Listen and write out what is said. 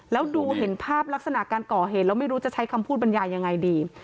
แล้วดูเห็นภาพลักษณะการก่อเหตุแล้วไม่รู้จะใช้คำพูดบรรยายยังไงดี